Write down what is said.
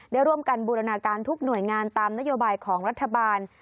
ได้ร่วมกันบูรณาการทุกหน่วยงานตามนโยบายของรัฐบาล